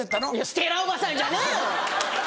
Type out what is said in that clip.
ステラおばさんじゃねえよ！